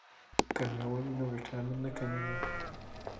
که میوه وي نو ویټامین نه کمیږي.